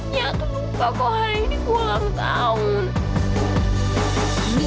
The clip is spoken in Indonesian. iya aku lupa kok karir nangis t hashira berapa harinya